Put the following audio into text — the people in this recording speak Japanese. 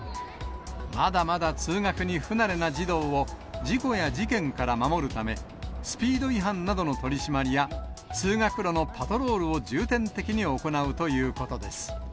まだまだ通学に不慣れな児童を、事故や事件から守るため、スピード違反などの取締りや、通学路のパトロールを重点的に行うということです。